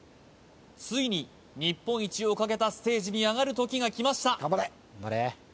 ついに日本一をかけたステージに上がる時が来ました